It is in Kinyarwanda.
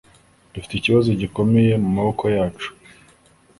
Dufite ikibazo gikomeye mumaboko yacu